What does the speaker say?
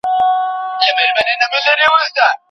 خرما په روژه کي ولي خوړل کیږي؟